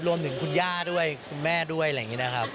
รวมถึงคุณย่าด้วยคุณแม่ด้วยอะไรอย่างนี้นะครับ